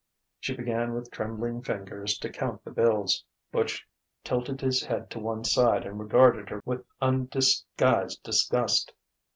She began with trembling fingers to count the bills. Butch tilted his head to one side and regarded her with undisguised disgust.